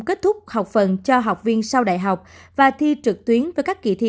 kết thúc học phần cho học viên sau đại học và thi trực tuyến với các kỳ thi